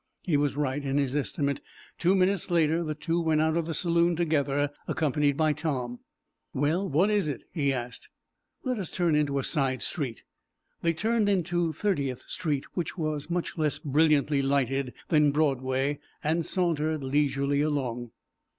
He was right in his estimate. Two minutes later the two went out of the saloon together, accompanied by Tom. "Well, what is it?" he asked. "Let us turn into a side street." They turned into Thirtieth Street, which was much less brilliantly lighted than Broadway, and sauntered leisurely along.